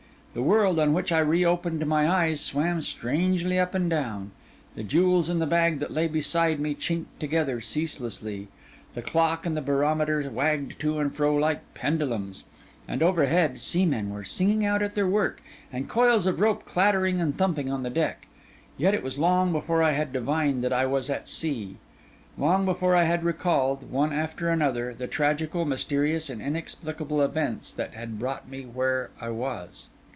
The world on which I reopened my eyes swam strangely up and down; the jewels in the bag that lay beside me chinked together ceaselessly; the clock and the barometer wagged to and fro like pendulums; and overhead, seamen were singing out at their work, and coils of rope clattering and thumping on the deck. Yet it was long before I had divined that I was at sea; long before I had recalled, one after another, the tragical, mysterious, and inexplicable events that had brought me where was.